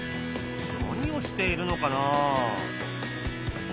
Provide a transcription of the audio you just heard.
何をしているのかなあ？